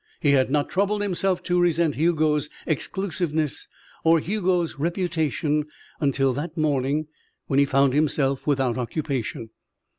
He had not troubled himself to resent Hugo's exclusiveness or Hugo's reputation until that morning when he found himself without occupation.